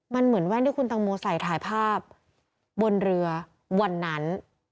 มันเหมือนแว่นที่คุณตังโมใส่ถ่ายภาพบนเรือวันนั้น